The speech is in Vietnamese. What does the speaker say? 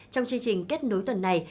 trong chương trình kết nối tuần này